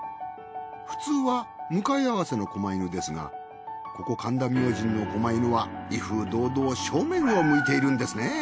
普通は向かい合わせの狛犬ですがここ神田明神の狛犬は威風堂々正面を向いているんですね。